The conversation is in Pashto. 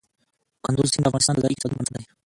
کندز سیند د افغانستان د ځایي اقتصادونو بنسټ دی.